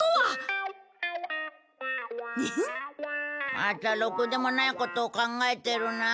またろくでもないことを考えてるな？